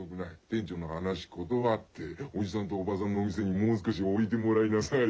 店長の話ことわっておじさんとおばさんのお店にもう少しおいてもらいなさい。